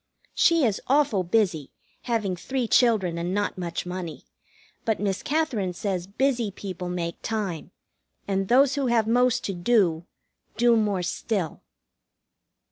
She is awful busy, having three children and not much money; but Miss Katherine says busy people make time, and those who have most to do, do more still.